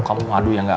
kamu aduh ya gak